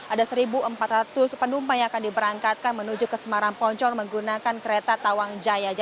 ada satu empat ratus penumpang yang akan diberangkatkan menuju ke semarang poncor menggunakan kereta tawang jaya